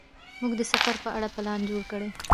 موږ د سفر په اړه پلان جوړ کړ.